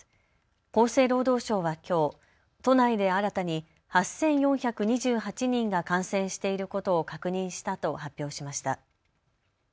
厚生労働省はきょう都内で新たに８４２８人が感染していることを確認したと発表しました。